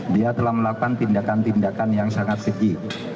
dia telah melakukan tindakan tindakan yang sangat keji